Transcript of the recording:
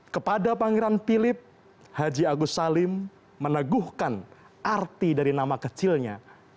kepada pangeran philip haji agus salim meneguhkan arti dari nama kecilnya